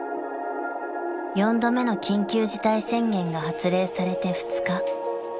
［４度目の緊急事態宣言が発令されて２日］